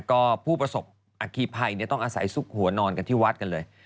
ก็ผู้ประสบอคีภัยต้องอาศัยซุกหัวนอนกันที่วัดกันเลย